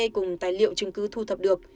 cùng tài liệu chứng cứ thu thập được